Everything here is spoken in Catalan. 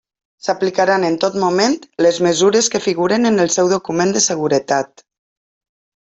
S'aplicaran en tot moment les mesures que figuren en el seu Document de seguretat.